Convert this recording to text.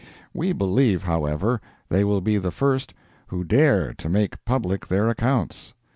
We believe, however, they will be the first "who dare" to make public their accounts.